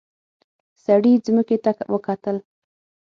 سړي ځمکې ته وکتل.